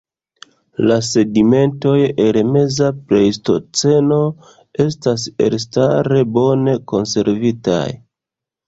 La sedimentoj el meza plejstoceno estas elstare bone konservitaj.